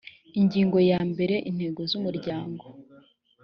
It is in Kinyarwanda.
ingingo ya mbere intego z umuryango